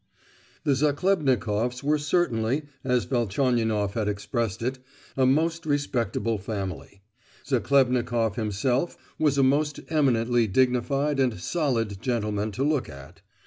The Zachlebnikoffs were certainly, as Velchaninoff had expressed it, a most respectable family. Zachlebnikoff himself was a most eminently dignified and "solid" gentleman to look at.